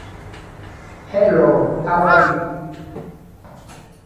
Falleció a la temprana edad de veinte años.